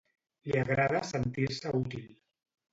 Li agrada sentir-se útil.